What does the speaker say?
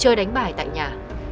chơi đánh bài tại nhà